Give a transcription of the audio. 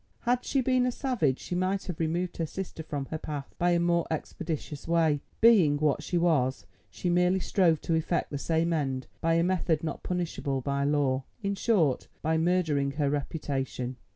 Had she been a savage she might have removed her sister from her path by a more expeditious way; being what she was, she merely strove to effect the same end by a method not punishable by law, in short, by murdering her reputation.